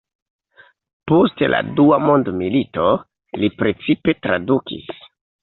Post la dua mondmilito li precipe tradukis.